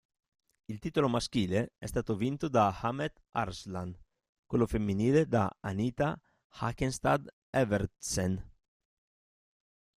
Il titolo maschile è stato vinto da Ahmet Arslan, quello femminile da Anita Haakenstad-Evertsen.